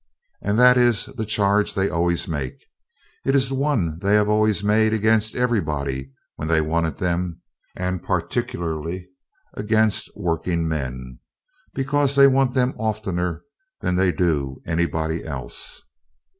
And that is the charge they always make. It is the one they have always made against everybody when they wanted them, and particularly against working men, because they want them oftener than they do anybody else.